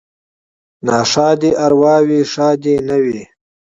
ـ ناښادې ارواوې ښادې نه وي.